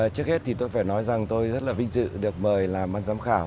trước hết thì tôi phải nói rằng tôi rất là vinh dự được mời làm ban giám khảo